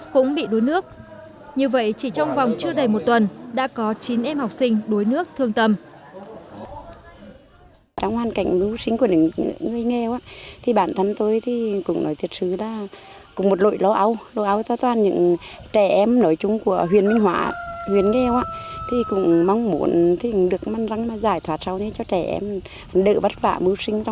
cũng bị đuối nước như vậy chỉ trong vòng chưa đầy một tuần đã có chín em học sinh đuối nước thương tâm